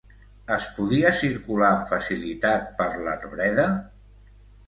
Es podia circular amb facilitat per l'arbreda?